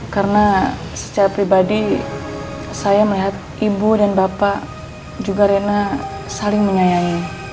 karena secara pribadi saya melihat ibu dan bapak juga rena saling menyayangi